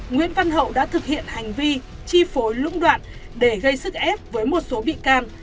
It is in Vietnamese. nguyễn văn hậu đã thực hiện hành vi chi phối lũng đoạn để gây sức ép với một số bị can